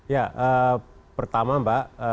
ya pertama mbak